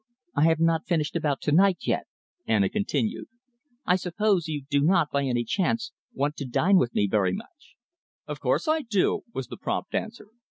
"I have not finished about to night yet," Anna continued. "I suppose you do not, by any chance, want me to dine with you very much?" "Of course I do," was the prompt answer.